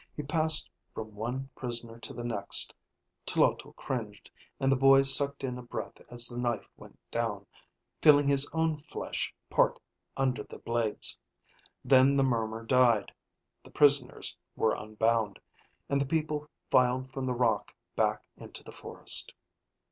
He passed from one prisoner to the next. Tloto cringed, and the boy sucked in a breath as the knife went down, feeling his own flesh part under the blades. Then the murmur died, the prisoners were unbound, and the people filed from the rock back into the forest.